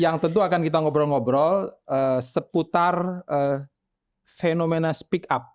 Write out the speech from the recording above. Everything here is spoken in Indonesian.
yang tentu akan kita ngobrol ngobrol seputar fenomena speak up